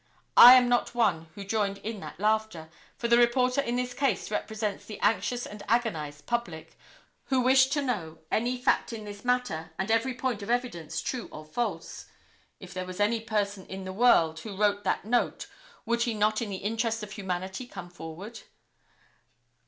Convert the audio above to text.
I am not one who joined in that laughter, for the reporter in this case represents the anxious and agonized public, who wish to know any fact in this matter and every point of evidence, true or false. If there was any person in the world who wrote that note would he not in the interest of humanity come forward.